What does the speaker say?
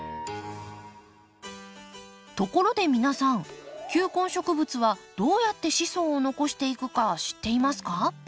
ところで皆さん球根植物はどうやって子孫を残していくか知っていますか？